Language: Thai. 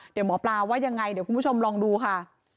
เดี๋ยวหมอปลาว่ายังไงเดี๋ยวคุณผู้ชมลองดูค่ะ